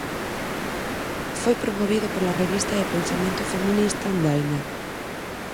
Foi promovido pola revista de pensamento feminista Andaina.